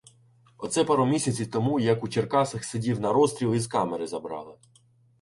Оце пару місяців тому як у Черкасах сидів, на розстріл із камери забрали.